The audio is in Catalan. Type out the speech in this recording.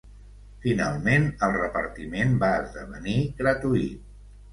Finalment el repartiment va esdevenir gratuït.